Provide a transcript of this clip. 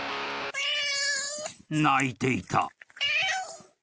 ［鳴いていた］